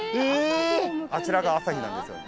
あちらが朝日なんですよ。